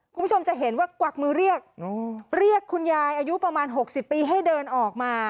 คุณผู้ชมจะเห็นว่ากวักมือเรียกเรียกคุณยายอายุประมาณ๖๐ปีให้เดินออกมา